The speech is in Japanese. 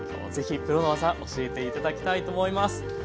是非プロの技教えて頂きたいと思います。